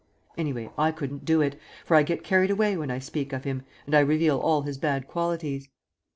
Anyway, I couldn't do it, for I get carried away when I speak of him and I reveal all his bad qualities.